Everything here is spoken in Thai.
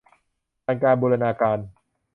ผ่านการบูรณาการ